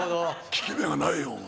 効き目がないよお前。